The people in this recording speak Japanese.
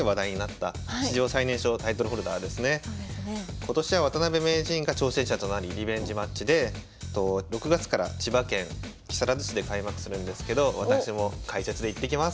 今年は渡辺名人が挑戦者となりリベンジマッチで６月から千葉県木更津市で開幕するんですけど私も解説で行ってきます。